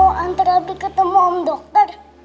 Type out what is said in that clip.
mau antar abi ketemu om dokter